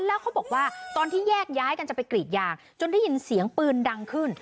แล้วเขาบอกว่าตอนที่แยกย้ายกันจะไปกรีดยางจนได้ยินเสียงปืนดังขึ้น